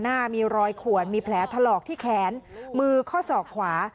หน้ามีรอยขวนมีแผลถลอกที่แขนมือข้อศอกขวา